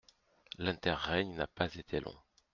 L'interrègne n'a pas été long.